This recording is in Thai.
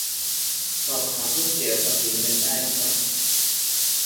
สอบถามผู้เสียภาษีเงินได้เมื่อ